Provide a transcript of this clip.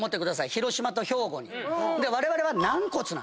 広島と兵庫に。